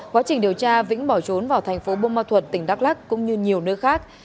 quá trình điều tra vĩnh bỏ trốn vào thành phố bô ma thuật tỉnh đắk lắc cũng như nhiều nơi khác